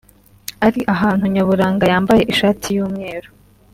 ari ahantu nyaburanga yambaye ishati y’umweru